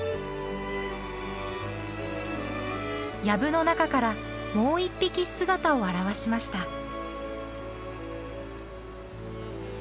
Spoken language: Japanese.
やぶの中からもう１匹姿を現しました。